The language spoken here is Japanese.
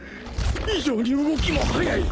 異常に動きも速い。